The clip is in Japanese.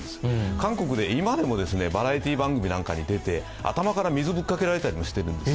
韓国で今でもバラエティー番組なんかに出て頭から水ぶっかけられたりもしてるんです。